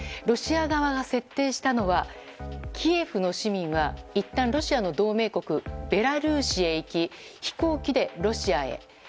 ロシア側が設定したのはキエフの市民はいったんロシアの同盟国ベラルーシへ行き飛行機でロシアへ。